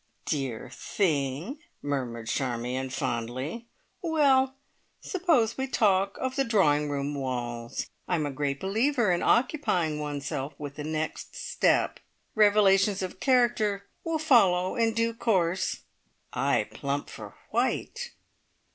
"Dear thing!" murmured Charmion fondly. "Well suppose we talk of the drawing room walls? I'm a great believer in occupying oneself with the next step. Revelations of character will follow in due course I plump for white!"